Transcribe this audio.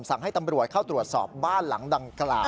สั่งให้ตำรวจเข้าตรวจสอบบ้านหลังดังกล่าว